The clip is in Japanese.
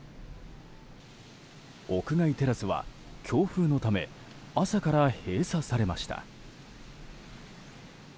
屋外テラスは、強風のため朝から閉鎖されました。